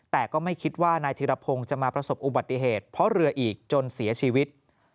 แต่ก็ไม่คิดว่านายธิรพงศ์จะมาประสบอุบัติเหตุเพราะเรืออีกจนเสียชีวิต